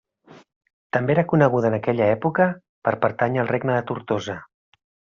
També era coneguda en aquella època per pertànyer al regne de Tortosa.